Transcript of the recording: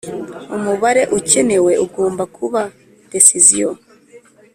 umubare ukenewe ugomba kuba decision